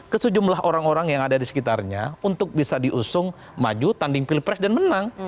ke sejumlah orang orang yang ada di sekitarnya untuk bisa diusung maju tanding pilpres dan menang